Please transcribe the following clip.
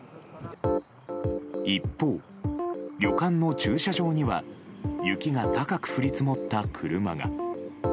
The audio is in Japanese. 一方、旅館の駐車場には雪が高く降り積もった車が。